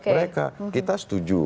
mereka kita setuju